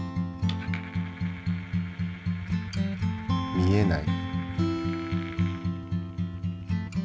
見えない。